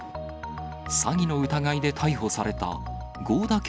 詐欺の疑いで逮捕された、合田圭